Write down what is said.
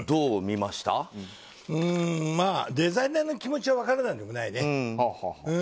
まあ、デザイナーの気持ちは分からないでもないね。